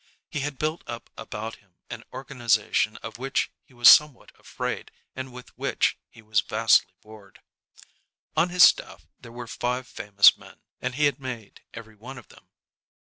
He had built up about him an organization of which he was somewhat afraid and with which he was vastly bored. On his staff there were five famous men, and he had made every one of them.